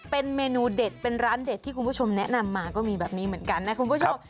เป็นเมนูเด็ดเป็นร้านเด็ดที่คุณผู้ชมแนะนำมาก็มีแบบนี้เหมือนกันนะคุณผู้ชม